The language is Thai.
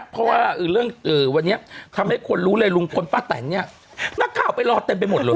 ป่าแต่นอย่างนี้หนักข่าวไปรอเต็มไปหมดเลย